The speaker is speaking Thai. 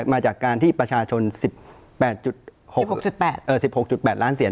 มาจากการที่ประชาชน๑๘๖๑๖๘ล้านเสียง